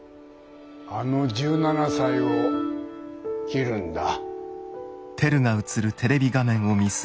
あの１７才を切るんだ。